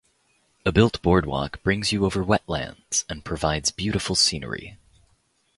A built boardwalk brings you over wetlands and provides beautiful scenery.